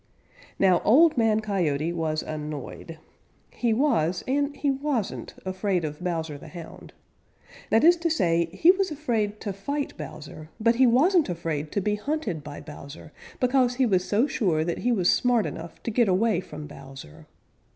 Now Old Man Coyote was annoyed. He was and he wasn't afraid of Bowser the Hound. That is to say he was afraid to fight Bowser, but he wasn't afraid to be hunted by Bowser, because he was so sure that he was smart enough to get away from Bowser.